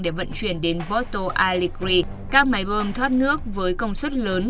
để vận chuyển đến porto alegre các máy bơm thoát nước với công suất lớn